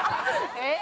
えっ？